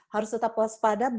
harus tetap puas padat